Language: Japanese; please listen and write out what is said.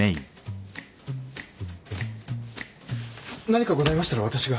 何かございましたらわたしが。